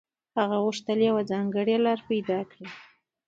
هغه غوښتل يوه ځانګړې لاره پيدا کړي.